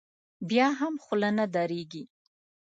بیا هم خوله نه درېږي.